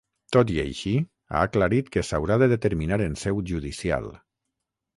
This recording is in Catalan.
Tot i així, ha aclarit que ‘s’haurà de determinar en seu judicial’.